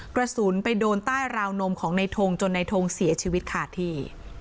กระสุนไปโดนใต้ราวนมของในทงจนในทงเสียชีวิตขาดที่